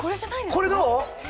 これどう？